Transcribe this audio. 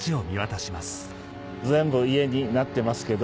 全部家になってますけど。